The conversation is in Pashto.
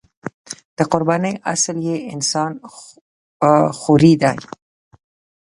د قربانۍ اصل یې انسان خوري دی.